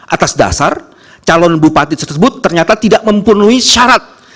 atas dasar calon bupati tersebut ternyata tidak memenuhi syarat